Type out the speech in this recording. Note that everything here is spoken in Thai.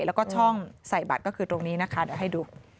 แล้วก็ช่องใส่บัตรก็คือตรงนี้นะคะเดี๋ยวให้ดู